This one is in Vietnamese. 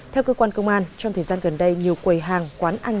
theo cơ quan công an trong thời gian gần đây nhiều quầy hàng quán ăn